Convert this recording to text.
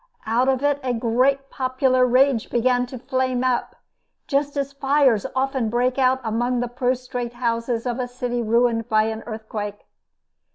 Out of it a great popular rage began to flame up, just as fires often break out among the prostrate houses of a city ruined by an earthquake.